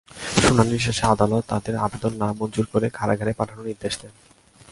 শুনানি শেষে আদালত তাঁদের আবেদন নামঞ্জুর করে কারাগারে পাঠানোর নির্দেশ দেন।